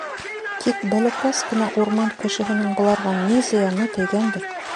Тик бәләкәс кенә урман кешеһенең быларға ни зыяны тейгәндер?